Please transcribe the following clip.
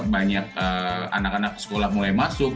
banyak anak anak sekolah mulai masuk